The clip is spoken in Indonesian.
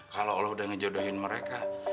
kalau allah udah ngejodohin mereka